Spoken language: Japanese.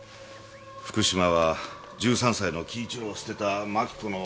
福島は１３歳の輝一郎を捨てた麻紀子のふるさとなんです。